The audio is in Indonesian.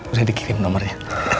udah dikirim nomernya